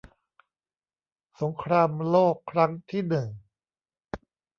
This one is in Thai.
สงครามโลกครั้งที่หนึ่ง